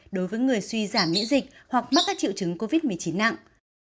đối với người suy giảm miễn dịch hoặc mắc các triệu chứng covid một mươi chín nặng